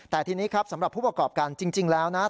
แต่ทีนี้ครับสำหรับผู้ประกอบการจริงแล้วนะครับ